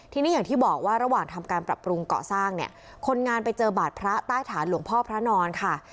ทีนี้อย่างที่บอกว่าระหว่างทำการปรับปรุงเกาะสร้างเนี่ยคนงานไปเจอบาดพระใต้ฐานหลวงพ่อพระนอนค่ะ